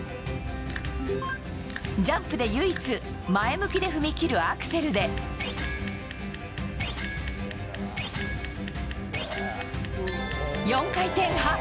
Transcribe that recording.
ジャンプで唯一前向きで踏み切るアクセルで４回転半。